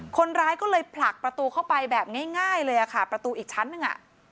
คนร้ายก็เลยผลักประตูเข้าไปแบบง่ายเลยค่ะประตูอีกชั้นหนึ่งอ่ะ